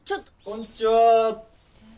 ・こんにちは。